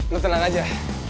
lo tenang aja